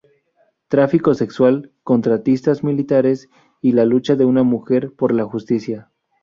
Tráfico Sexual, Contratistas Militares y la Lucha de Una Mujer por la Justicia.